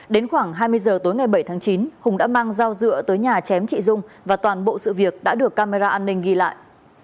đến khoảng hai mươi giờ tối ngày bảy tháng chín hùng đã mang dao dựa tới nhà chém chị dung và toàn bộ sự việc đã được camera an ninh ghi lại